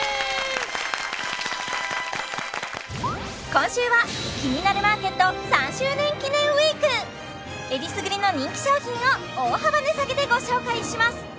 今週は「キニナルマーケット」３周年記念ウイークえりすぐりの人気商品を大幅値下げでご紹介します